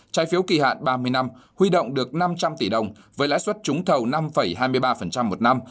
trái phiếu kỳ hạn ba mươi năm huy động được năm trăm linh tỷ đồng với lãi suất trúng thầu năm hai mươi ba một năm